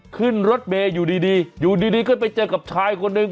ขึ้นรถเมย์อยู่ดีอยู่ดีก็ไปเจอกับชายคนหนึ่ง